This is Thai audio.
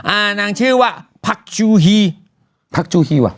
อ่านางชื่อว่าภักดุจุฮีมันจุฮีวะ